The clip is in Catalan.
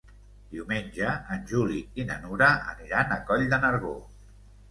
Diumenge en Juli i na Nura aniran a Coll de Nargó.